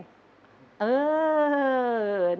แน่น้องเขาก็รู้ใจพี่เขา